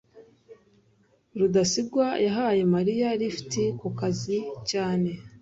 rudasingwa yahaye mariya lift ku kazi cyane